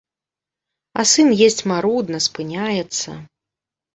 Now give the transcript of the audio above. А сын есць марудна, спыняецца.